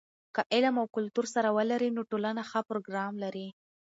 که علم او کلتور سره ولري، نو ټولنه ښه پروګرام لري.